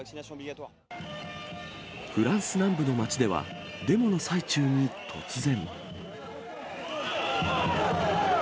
フランス南部の街では、デモの最中に突然。